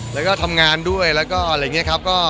แล้วก็ทำงานด้วยแล้วก็อะไรอย่างนี้ครับ